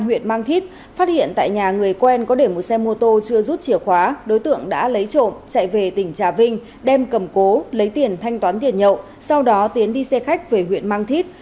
huyện mang thít phát hiện tại nhà người quen có để một xe mô tô chưa rút chìa khóa đối tượng đã lấy trộm chạy về tỉnh trà vinh đem cầm cố lấy tiền thanh toán tiền nhậu sau đó tiến đi xe khách về huyện mang thít